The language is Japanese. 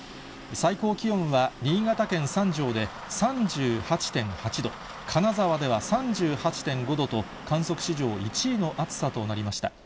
最高気温は新潟県三条で３８．８度、金沢では３８．５度と、観測史上１位の暑さとなりました。